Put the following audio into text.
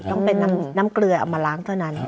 ต้องเป็นน้ำเกลือเอามาล้างเท่านั้น